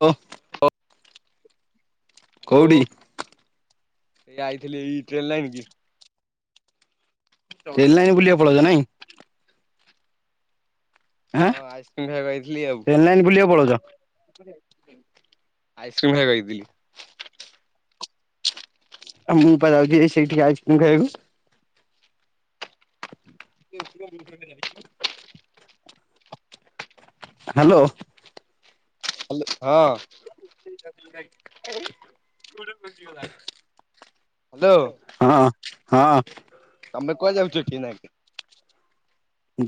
ଓ । Hello କୋଉଠି । ଏଇ ଆଇଥିଲି ଏଇ ଟ୍ରେନ ଲାଇନ କି । ଟ୍ରେନ ଲାଇନ ବୁଲିବାକୁ ପଳଉଚ ନାଇ । ଆଁ ହଁ ଆଇସ୍କ୍ରିମ ଖାଇବାକୁ ଆଇଥିଲି ଆଉ ଟ୍ରେନ ଲାଇନ ବୁଲିବା ପଳଉଚ । ଆଇସ୍କ୍ରିମ୍ ଖାଇବାକୁ ଆଇଥିଲି । ଆଉ ମୁଁ ପା ଯାଉଛି ହେଇ ସେଇଠିକି ଆଇସକ୍ରିମ ଖାଇଆକୁ । [unintelligible] ହା ଲୋ । ହଁ । ହ୍ୟାଲୋ ହଁ । ହଁ । ତମେ କୁଆଡେ ଯାଉଚ କି ଏଇନାକେ ।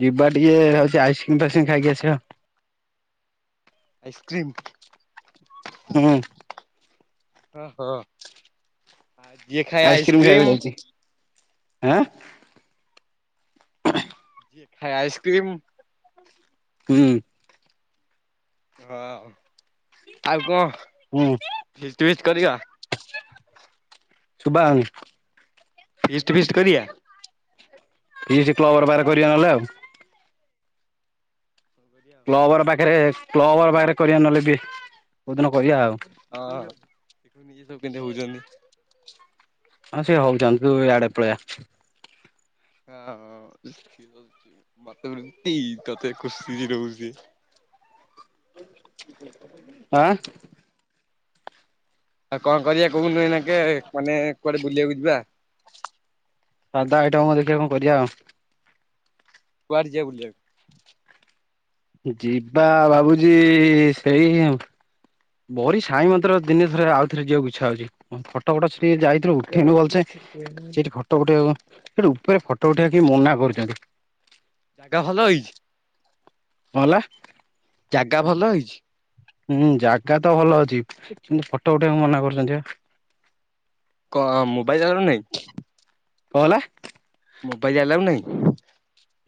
ଯିବା ଟିକେ ହଉଛି ଆଇସ୍କ୍ରିଙ୍ଗ ଫାଇସକ୍ରି ଖାଇକି ଆସିବା ଆଉ । ଆଇସକ୍ରିମ । ହୁଁ ଓ ହୋ ଆ ଜିଏ ଖାଏ ଆଇସ୍କ୍ରିମ୍ ଖାଇବାକୁ ଆଇସ୍କ୍ରିମ । ଯାଉଛି ଆଁ । ଜିଏ ଖାଇ ଆଇସ୍କ୍ରିମ । ହୁଁ । ହଁ ଆଉ କଣ ହୁଁ ଫିଷ୍ଟ ଫିଷ୍ଟ କରିବା । ଶୁଭାଆଉନି । ଫିଷ୍ଟ୍ ପିଷ୍ଟ କରିବା । ଫୀଷ୍ଟ କ୍ଲବ ଘରେ ପାଖରେ କରିବା ନହେଲେ ଆଉ । କ୍ଲବ ଘର ପାଖରେ କ୍ଲବ ଘର ପାଖରେ କରିବା ନଏଲେ ଫିଷ୍ଟ କୋଉ ଦିନ କରିବା ଆଉ । ହଁ ଦେଖୁନୁ ଇଏ ସବୁ କେମତି ହଉଛନ୍ତି । ହଁ ସେ ହଉଥାନ୍ତୁ ତୁ ଆଡେ ପଲେଇ ଆ। ହଁ । ମତେ ବି ଲୁଟି ତତେ ଖୁସି କି ରହୁଛି ସେ । ହାଁ । ଆଉ କଣ କରିବା କୋହୁନୁ ଏଇନାକେ ମାନେ କୁଆଡେ ବୁଲିବାକୁ ଯିବା । ସାଧା ଆଇଟମ କଣ ଦେଖିବା କଣ କରିବା ଆଉ। କୁଆରେ ଯିବା ବୁଲିଆକୁ । ଯିବା ଭାବୁଛି ସେଇ ଉ। ବରି ସାଇ ମନ୍ଦିର ଦିନେ ଥରେ ଆଉଥରେ ଯିବାକୁ ଇଚ୍ଛା ହଉଛି ଫଟ ଫଟ ସେଠି ଯାଇଥିଲୁ ଉଠେଇନୁ ଭଲସେ । ସେଇଠି ଫଟୋ ଉଠେଇବାକୁ ସେଠି ଉପରେ ଫଟୋ ଉଠେଇବା କି ମନା କରୁଛନ୍ତି । ଜାଗା ଭଲ ହେଇଛି । କଣ ହେଲା । ଜାଗା ଭଲ ହେଇଛି । ହୁଁ ଜାଗା ତ ଭଲ ଅଛି କିନ୍ତୁ ଫଟୋ ଉଠେଇଆକୁ ମନା କରୁଛନ୍ତି ବା । କଣ ମୋବାଇଲ ଦର ନାଇଁ [unintelligible] କହହେଲା? ମୋବାଇଲ ଆଲାଉ ନାହିଁ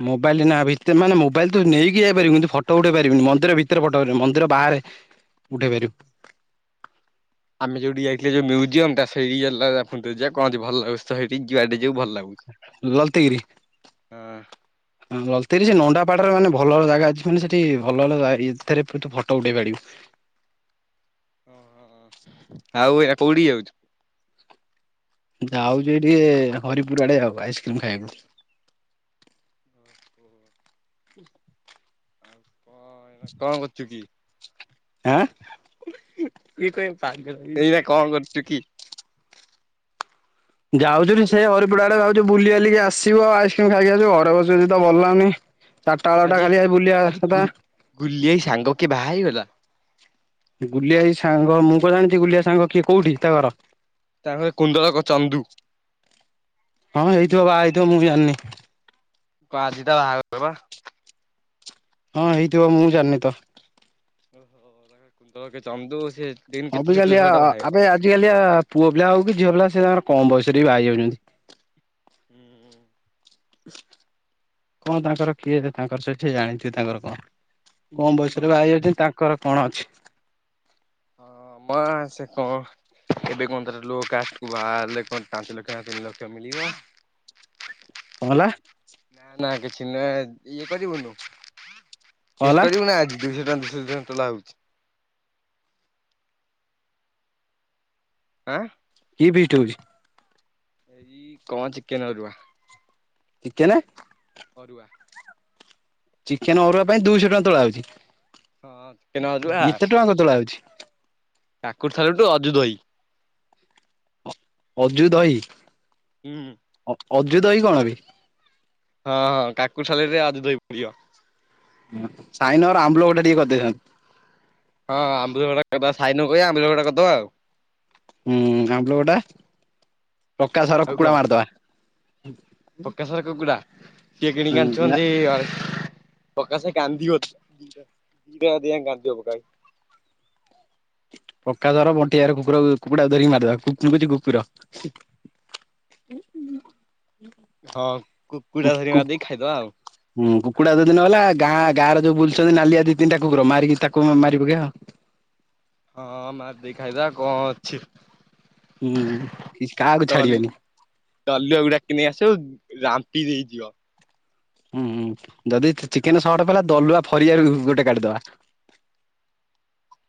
ମୋବାଇଲ ନା ଭିତରେ ମୋବାଇଲ ତୁ ନେଇକି ଯାଇ ପାରିବୁନି, ଫଟୋ ଉଠେଇ ପାରିବୁନି, ମନ୍ଦିର ଭିତରେ ଫଟୋ ଉଠେଇ ପା ଉଠେଇ ପାରିବୁ। [inaudible] ଆମେ ଯୋଉଠି ଯାଇଥିଲେ ଯଉ ମ୍ୟୁଜିୟମ ଟ ସେଇଠିଲାଖନ୍ତୁ ଯ କଣ ଭଲ ଅବସ୍ଥା ସେଠି ଯୁଆ [unintelligible] ଲଲତିଗିରି ହଁ ଲଲତିଗିରି ଯେ ନଣ୍ଡା ପାଡରେ ମାନେ ଭଲ ଭଲ ଜାଗା ଅଛି ମାନେ ସେଠି ଭଲ ଭଲ ଏଥିରେ ତୁ ଫଟୋ ଉଠେଇ ପାରିବୁ । ଓ ଆଉ ଏ କୋଉଠି ଯାଉଛି? ଯାଉଛି ଟିକେ ହରିପୁର ଆଡେ ଆଉ, ଆଇସ୍କ୍ରିମ ଖାଇବାକୁ ହୁଁ [inaudible] ହଁ କଣ କରୁଛୁ କି? ଆଁ ଏଇ କ ଏଇଟ କଣ କରୁଛୁ କି? ଯାଉଛୁ ସେଇ ହରିପୁର ଆଡେ -ଯାଉଛି ବୁଲି ବାଲିକି ଆସିବୁ, ଆଇସ୍କ୍ରିମ ଖାଇକି ଆସିବୁ, ଘରେ ବସିବସିକି ତ ଭଲ ଲାଗୁନି ଚାରିଟା ବେଳଟା ଆଜି ଖାଲି ଆ ବୁଲିବା ଆଜି କଥା ଗୁଲ । ଗୁଲି ଭାଇ ସାଙ୍ଗ କିଏ ବାହା ହେଇଗଲା ଗୁଲିଆ ସାଙ୍ଗ ମୁଁ କଣ ଜାଣିଛି ଗୁଲିଆ ସାଙ୍ଗ କିଏ କୋଉଠି ତା ଘର? ତାଙ୍କଘର କୁଣ୍ଡଳକ ଚନ୍ଦୁ ହଁ ହେଇଥିବ ବା ହେଇଥିବ ମୁଁ ଜାଣିନି ପାଜି ତ ବାହା ବା [unintelligible] ହଁ ହେଇଥିବ ମୁଁ ଜାଣିନି ତ ଓୋ କୁ ତ ଚାମଦ ସେ [unintelligible] ହବ ଛୋଟ କାଲି ଛୁଆଟା ବାହା ହେଇଗଲା। ଆବେ ଆଜିିକାଲି ଆ ପୁଅ ପିଲା ହଉ କି ଝିଅ ପିଲା ସେତାଙ୍କର କମ ବୟସ ସେ ବି ବାହା ହେଇ ଯାଉଛନ୍ତି । ହୁଁ ହୁଁ କଣ ତାଙ୍କର କିଏ ଯେ ତାଙ୍କର ସେଠି ଜାଣିଥିବୁ ତାଙ୍କର କଣ? କଣ ହଁ ବୟସରେ ବାହାହେଇଯାଉଛନ୍ତି, ତାଙ୍କର କଣ ଅଛି? ହଁ ମ ସେ କ---? ଏବେ କଣ ତ ଲ କାଷ୍ଟକୁ ବାହାରିଲେ କଣ ପାଞ୍ଚ ଲକ୍ଷ ତିନି ଲକ୍ଷ ମିଳିବ [unintelligible] କଣ ହେଲା? ନା ନା କିଛି ନୁହେଁ ଇଏ କରିବୁନୁ, କଣ ହେଲା ଫିଷ୍ଟ କରିବୁ ନା ଆଜି ଦିଶହ ଟଙ୍କା ହଉଛି [unintelligible] ଆଁ କି ଭଟ ହଉଛି [unintelligible] ଏଇ କଣ ଚିକେନଅରୁଆ ଚିକେନ ଅରୁଆ ଚିକେନ ଅରୁଆ ପାଇଁ ଦୁଇଶହ ଟଙ୍କା ତୋଳା ହଉଛି ହଁ ଚିକେନ ଏତେ ଟଙ୍କା କ ତଳା ହଉଛି---? ଠାକୁର ଥଲଠୁ ଅଜୁ ଦଇ ଅଜୁ ଦ ଭାଇ ହୁଁ। ଅଜୁତ ଭାଇ କଣ ବେ? ହଁ ହଁ କାକୁଡି ସାଲାଡ଼ ରେ ଅଜୁତ ଭାଈ କରିବ। ସାଇନର ଆମ୍ବୁଲ ଗୋଟେ ଟିକେ କରିଦେଇ ହଁ ଆମ୍ୱ ସଢା କରିଦବା ସାଇନୁକୁ କହିବା ଆମ୍ବ ସଢା ଟା କରିଦବା ଆଉ। ହୁଁ ଆମ୍ବୁଲ ଖଟା ପକା ସାର କୁକୁଡା ମାରିଦବା। ପ୍ରକାଶ ର କୁକୁଡା ସିଏ ହୁଁ କିଣିକି ନା ଆଣିଛନ୍ତି ଅ। ପକା ସେ କାନ୍ଦିବ ଦି ଟା ଦି ଟା ରାତି ଯାଏଁ କାନ୍ଦିବ ପକାଇ। [inaudible] ପକ୍କା ଧର ବଣ୍ଟି ଭାଇର କୁକୁରକୁ କୁକୁଡ଼ାକୁ ଧରିକି ମାରିଦବା କୁକୁ ମୁଁ କହୁଚି କୁକୁର ହୁଁ। [inaudible] ହଁ କୁ କକୁଡ଼ା ଧର ମାର ଦେଇି ଖାଇଦବା ଆଉ। ହୁଁ କୁକୁଡ଼ଡା ଦୁ ଦିନ ଗଲା ଗାଁ ଗାଁରେ ଯୋଉ ବୁଲୁଛନ୍ତି, ନାଲିଆ ଦି ତିନିା କକୁର ମାରିକି ତାକୁ ମାରି ପକେ ଆଉ। ହଁ ମା ଦେଇ ଖାଇଦ କଣ ଅଛି ହୁଁ କାହାକୁ ଛାଡିବେନି। ଦଲ ଗୁଡା କି ନେଇ ଆସୁ ରାମ୍ପି ଦେଇଯିବ। ହୁଁ ହୁଁ ଯଦି ଚିକେନ ସଟ ପଲା ଦଲୁଆ ଫରିଆ ଗୋଟେ କାଢିଦବା। ହ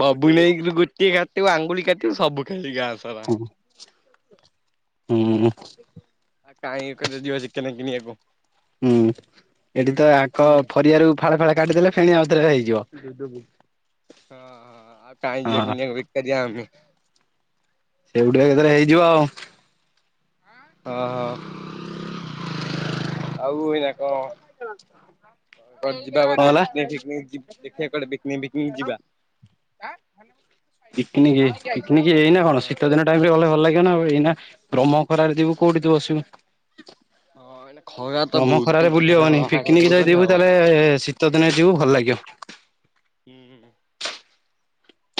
ବବୁ ନାଇକରୁ ଗୋଟିଏ ଖାବୁ ଆଙ୍ଗୁଳି ଖାଥିବୁ ସବୁ ଖାଲି ଗାଁ ସରା ହୁଁ ହୁଁ। ଆ କହି ବେକାର ଯିବା ଚିକେନ୍ କିଣିବାକୁ ହୁଁ ଏଠି ତ ହୁଁ ଆଙ୍କ ପରଆରୁ ଫାଳେ ଫାଳେ କାଟିଦେଲେ ଫେଣି ଆଉ। ହେଇଯିବ। ହଁ ହଁ ଆଉ କାଇ ଯିବା ହଁ କିଣିବାକୁ ବେକାରୀଆ ଆମେ। ସେଗଠିକଆ କେଥରେ ହେଇଯିବ ଆଉ। ହଁ ହଁ ଆଉ ଏନା [inaudible] ଯିବା କଣ କୁଆଡ଼େ ହେଲା? ପିକିନିକୀ ଫିକିନିକି ଯି ଦେଖିବାକ କୁଆଡ଼େ ପିକିନୀକି ଫିକିନିକୀ ଯିବା। ଆ ଭନ୍ୟ ପିକନିକ ପିକିନିକି ଏଇନା କଣ ଶୀତ ଦିନ ଟାଇମ ରେ ଗଲେ ଭଲ ଲାଗିବ ନା ଏଇନା ବ୍ରହ୍ମ ଖରାରେ ଯିବୁ। କୋଉଠି ତୁ ବସିବ ମାନେ ଖ ବ୍ରହମ ଖରାରେ ବୁଲି ହବନି ପିକନିକ ଯାଇ, ଯିବୁ ହବ। ତାହେଲେ ଶୀତ ଦିନେ ଯିବୁ ଭଲ ଲାଗିବ ହୁଁ ହୁଁ।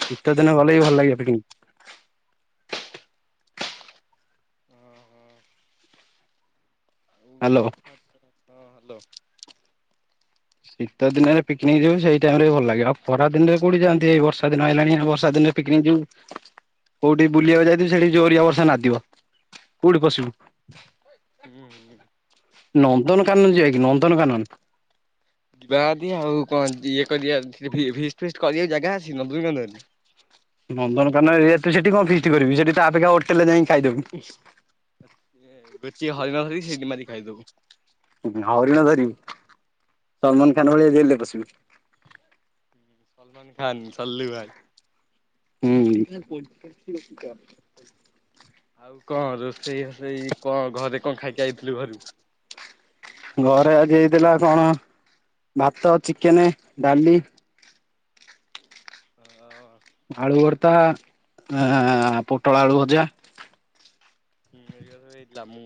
ଦୀତ ଦିନ ଗଲେ ବି ଭଲ ଲାଗିବ ପିକିକ ହୁଁ ହୁଁ। ଆଉ ହ୍ୟାଲୋ। ରଥ ରଥ ଭଲ। ଶୀତ ଦିନରେକନିକ ଯିବୁ ସେଇ ଟାଇମ ରେ ଭଲ ଲାଗେ ଆଉ ଖରା ଦିନରେ କୋଉଠିଆନ୍ତି ଏଇ ବର୍ଷା ଦିନ ହେଲାଣି ବର୍ଷା ଦିନରେ ପିକ ନିକ୍ ଯିବୁ କୋଉଠି ବୁଲିବାକୁ ଯାଇଥିବୁ ସେଠି ଜୋରିଆ ବର୍ଷା ନାଦିବ କୋଉଠି ପଶିବୁ। ହୁଁ। କାନନ ଯକ କି ନନ୍ଦନକାନନ ଯିବା ଯଦି ଆଉ କଣ ଇଏ କରିବା କରିବାକୁ ଫିଷ୍ଟ ଫିଷ୍ଟୀ ଜାଗା ଅଛି ନନ୍ଦନ ନନ୍ଦନକାନନ ତୁ ସେଠି କଣ ଫିକ୍ କରିବି ସେଠି ତପେକ୍ଷା ହୋଟେଲ ରେ ଯାଇ ଖାଇଦବୁ ଗୋଟି ହରିନ ଧରିକି ସେଠୀ ମାରିକି ଖାଇଦବୁ। ହରିଣ ଧରି ସଲମାନ ଖାନ ଭଳିଆ ଜେଲ୍ ପଶିବୁ। ସଲମାନ ଖାନ ସଲ୍ଲୁ ଭାଇ। ହୁଁ। ଆଉ କଣ ରୋଷେଇ ହୋଷେଇ କଣ ଘରେ କଣ ଖାଇକି ଆଇଥିଲୁ ଘରୁ ଘରେ ଆଜି ହେଇଥିଲା କଣ ଭାତ, ଚିକେନ, ଡାଲି। ଆଳୁ ଭର୍ତା, ଆ ପୋଟଳ ଆଳୁ ଭଜା ହଁ ହେଇଥିଲା ମୁଁ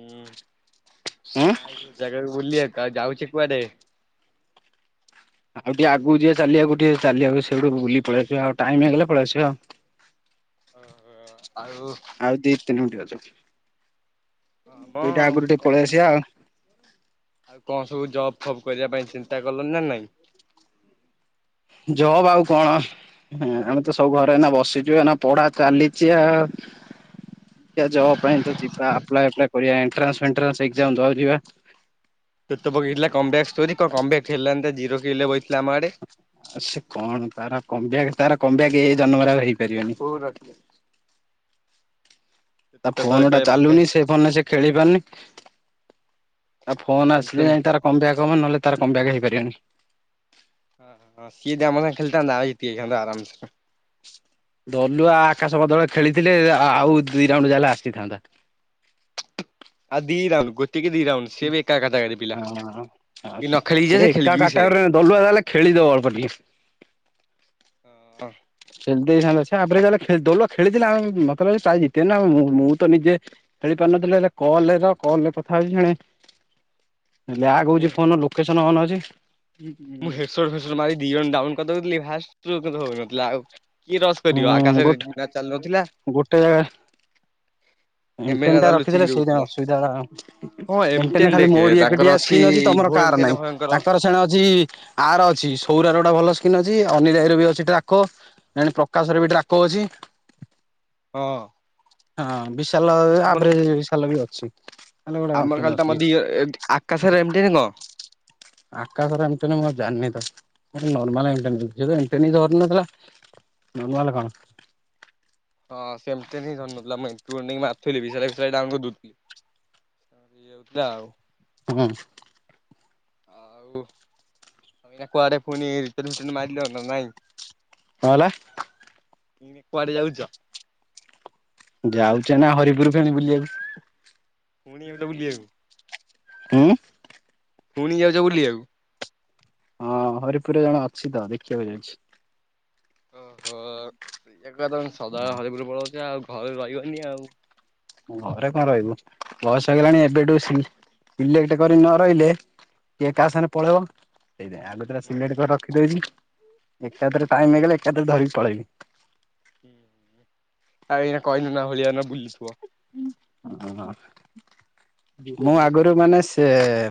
ଉଁ ଯାଇଛି ଗୋଟେ ଜାଗା ବୁଲିବାକୁ ଯାଉଛିି କୁଆଡେ? ଆଉ ଟିକେ ଆଗକୁ ଯିବେ ଚାଲିବାକୁ ଟିକେ ଚାଲିବାକୁ ସେଇଠୁ ବୁଲି ପଳେଇଆସିବା ଆଉ ଟାଇମ ହେଇଗଲେ ପଳେଇଆସିବା ଆଉ ହଉ [unintelligible] ଆଉ [unintelligible] ହଁ ଏଇଟା ଆଉ ଆଗରୁ ଟିକେ ପଳେଇ କଣ ଆସିବା ଆଉ ଆଉ କଣ ସବୁ ଜବ୍ ଫବ୍ କରିବା ପାଇଁ ଚିନ୍ତା କଲଣି ନା ନାଇଁ? ଯବ୍ ଆଉ କଣ ଆମେ ତ ସବୁ ଘରେ ଏଇନା ବସିଛୁ ଏଇନା ପଢା ଚାଲିଛି ଆଉ [inaudible] ଜବ ପାଇଁ ତ ଯିବା ଆପ୍ଲାଏ ଫାପ୍ଲାୟେ କରିବା ଏନ୍ତ୍ରାନ୍ସ ଫେନ୍ତ୍ରାଂଶ ଏକ୍ସାମ ଦବାକୁ ଯିବା। ଟୁଟୁ ପକେଇଥିଲା come back story come come back ଟା ହେଲାନି ତା ଜିରୋ କିଲ୍ ରେ ବସିଥିଲା। ଆ ସେ କଣ ତାର? କମବେକ ତାର କମ୍ ବେକ ଏଇ ଜନ୍ମରେ ହେଇପାରିବନି। ତା ତୋତେ ଫୋନ ଟା କହିବା ପକେ ଚାଲୁନି ସେ ଫୋନରେ ସେ ଖେଳି ପାରୁନି ଆଉ ଫୋନ ଆସିଲେ ସାମସଙ୍ଗ ନାଇ ତାର କମ ବ୍ୟାକ ହବ ନହେଲେ ତାର କମ ବ୍ୟାକ ହେଇପାରିବନି। ହଁ ସିଏ ଯଦି ଆମ ସାଙ୍ଗେ ଖେଳିଥାନ୍ତା ଆମେ ଜିତି ଯାଇଥାନ୍ତୁ ଆରାମ ସେ ଦଲୁଆ ଆକାଶ ବଦଳ ଖେଳିଥିଲେ ଆଉ ଦି ରାଉଣ୍ଡ ଯାହେଲେ ଆସିଥାନ୍ତା ଆଉ ଦି ରାଉଣ୍ଡ କି ଦି ରାଉଣ୍ଡ ହଁ ସିଏ ବି ଏକା କାଟାକାଟି ପିଲା କି ନ ଖେଳିକି ଯା ସେ ଏ ଏକା ଖେଳିକି ବି ସେଇଆ। କ୍ୟାଟେଗୋରୀରେ ଦଳୁଆ ଯାହା ହେଲେ ଖେଳିଥାନ୍ତା ଯଉ ଅଳ୍ପ ଟିକେ ହଁ ଖେଳି ଦେଇଥାନ୍ତା ସେ ଆଭ୍ରେଜ୍ ଭଳିଆ ଖେଳି ଦୋଳ ଖେଳିଥିଲେ ଆମେ ମତେ ଲାଗୁଛି ପ୍ରାଇସ ଜିତିଥାନ୍ତେ ଖେଳି ପାରୁନଥିଲେ ହେଲେ କଲର କଲରେ କଥା ହଉଛି ଜଣେ [inaudible] ଲ୍ୟାଗ ମୁଁ ହଉଛି ଫୋନ ଲୋକେସନ ଓନ ଅଛି ମୁଁ ହେଡ ଶର୍ଟ ଫେଡ ଶର୍ଟ ମାରି ଦି ଜଣଙ୍କୁ ଡାଉନ୍ କରିଦଉଥିଲି ଫାର୍ଷ୍ଟରୁ କିନ୍ତୁ ହଉନଥିଲା ଆଉ? କିଏ ରସ୍ କରିବ ହୁଁ ଆକାଶରେ ଗୋଟ ଯିବା ଚାଲୁନଥିଲା ଏମ ଏମେ ନା ଟେନ ଟା ତାର ରଖିଥିଲେ ଲୁଚିକି ସେଇଟା ହିଁ ରହୁଥିଲା। ଅସୁବିଧା ହେଲା ଆଉ ହଁ ଏମ ଟେନ୍ ରେ ଏମଟେନ୍ ଖାଲି ଦେଖେ ମୋର ହିଁ ତାଙ୍କର ଏକୁଟିଆ ସ୍କିନ ଅଛି ତମର ଇଭୋ କାହାର ଏମଟେନ୍ ନାଇଁ ଭୟଙ୍କର ତାଙ୍କର ସେଣେ ଅଛି। ଆର ଅଛି ସୌରାର ଗୋଟେ ଭଲ ସ୍କିନ୍ ଅଛି ଅନିଲ ଭାଇର ବି ଅଛି ଡ୍ରାକୋ [unintelligible] ଆକାଶର ବି ଡ୍ରାକୋ ଅଛି। ହଁ। ହଁ ବିଶାଲ ଆମର ଆଭରେଜ ବିଶାଲର ବି ଅଛି। ତାହେଲେ ଗୋଟେ ଆମର କଣ୍ଟିନ୍ୟୁ ଖାଲି ଅଛି ତମ ଦି ଆକାଶରେ ଏମ ଟେନ୍ କଣ? ଆକାଶର ଏମ ଟେନ ମୁଁ ଆଉ ଜାଣିନି ତାର ନର୍ମାଲ ଏମ ଟେନ୍ ସେ ତ ଏମ ଟେନ୍ ହିଁ ଧରୁନଥିଲା ନର୍ମାଲ କଣ? ହଁ ସେମତି ହିଁ ଧରିନଥିଲା ମୁଁ ଏମ ଟୁ ଇଲେଭେନ ନେଇ ମାରୁଥିଲି ବି ସେଇଟାରେ ପୁରା ଡାଉନ୍ କରିଦଉଥିଲି। [unintelligible] ଆଉ ହୁଁ ଆଉ ଏଇନା କୁଆଡେ ପୁଣି ରିଟର୍ନ ଫିଟର୍ନ ମାରିଲ ନା ନାଇଁ କଣ ହେଲା? ଏଇନେ କୁଆଡ଼େ ଯାଉଛ? ଯାଉଛି ଏଇନା ହରିପୁର ଫେଣି ବୁଲିବାକୁ ପୁଣି ଯାଉଛ ବୁଲିବାକୁ? ହୁଁ ପୁଣି ଯାଉଛ ବୁଲିବାକୁ ହଁ ହରିପୁର ଜଣେ ଅଛି ତ ଦେଖିବାକୁ ଯାଉଛି ଓହୋ ସେକଥା କହୁନ ସଦାବେଳେ ହରିପୁର ପଳଉଛ ଆଉ ଘରେ ରହିବନି ଆଉ ଘରେ କଣ ରହିବୁ ବୟସ ହେଲାଣି ଏବେଠୁ ସିଲେଟ କରି ନ ରହିଲେ କିଏ କାହା ସାଙ୍ଗେ ପଳେଇବ ସେଇ ଆଗ ସିଲଟ ରଖିଦଉଛି ଏକଟାଥରେ ଟାଇମ୍ ହେଇଗଲେ ଏକାଥରେ ଧରିକି ପଳେଇବି ଆଉ ଏଇନା କହିଲୁ ନା ଭଳିଆ ନ ବୁଲିଥିବ ଆଲ ହା ମୁଁ ଆଗରୁ ମାନେ ସେ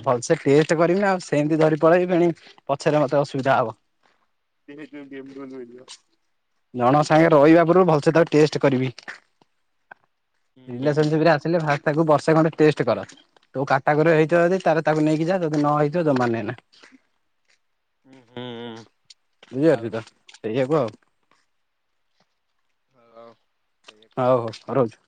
ଭଲ ସେେ ଟେଷ୍ଟ କରିବି ଆଉ ସେମିତି ଧରି ପଳେଇବି ପେଣି ପଛାର ମେ ଅସୁବିଧା ହବ ଜଣ ସାଙ୍ଗେ ରହିବା ପୂର୍ବରୁ ଭଲସେ ତାକୁ ଟେଷ୍ଟ କରିବି ହଁ ରିବିକରିବି ରିଲେସନସିପ ରେ ଆସିଲେ ଭା ତାକୁ ବର୍ଷେ ଖଣ୍ଟେ ଟେଷ୍ଟ କର ତୁ କାଟାକ ହେଇ ଯ ତ ତାକୁ ନେଇକି ଯାଦ ନ ହେଇଯ ତ ମାନେ ନାକରିବି ହୁଁ ହୁଁ। ଆଉ [unintelligible] ଏୟାକୁ ଆଉ। ସେଇଆ କହ। ହଉ ହଉ ରହୁଛି।